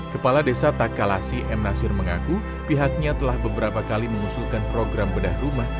kepala desa takalasi m nasir mengaku pihaknya telah beberapa kali mengusulkan program bedah rumah